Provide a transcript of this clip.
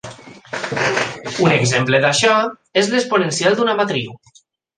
Un exemple d'això és l'exponencial d'una matriu.